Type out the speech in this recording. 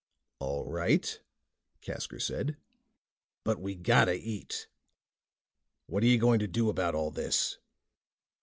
"All right," Casker said, "but we gotta eat. What're you going to do about all this?"